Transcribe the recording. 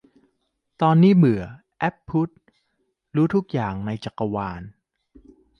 ตอนนี้เบื่อ 'แอ๊บพุทธ' รู้ทุกอย่างในจักรวาล